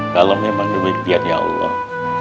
kalau memang demikian ya allah